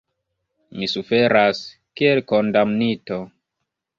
Mi suferas, kiel kondamnito.